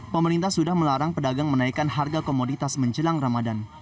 pemerintah sudah melarang pedagang menaikkan harga komoditas menjelang ramadan